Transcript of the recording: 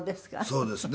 そうですね。